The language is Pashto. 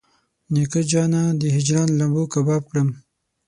نیکه جانه د هجران لمبو کباب کړم.